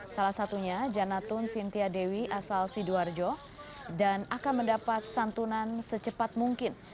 salah satunya janatun sintia dewi asal sidoarjo dan akan mendapat santunan secepat mungkin